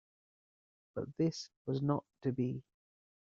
But this was not to be.